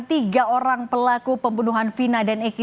tiga orang pelaku pembunuhan vina dan eki